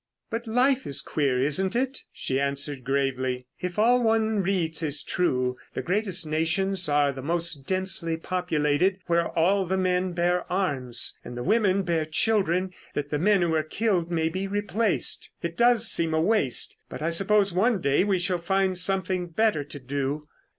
"But life is queer, isn't it?" she answered gravely. "If all one reads is true. The greatest nations are the most densely populated, where all the men bear arms—and the women bear children that the men who are killed may be replaced! It does seem a waste, but I suppose one day we shall find something better to do."